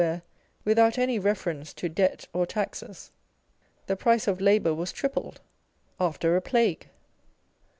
where, without any reference to Debt or Taxes, the price of labour was tripledâ€" after a plague